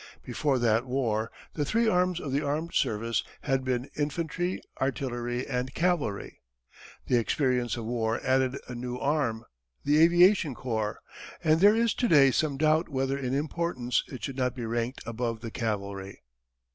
Before that war the three arms of the armed service had been infantry, artillery, and cavalry. The experience of war added a new arm the aviation corps and there is to day some doubt whether in importance it should not be ranked above the cavalry.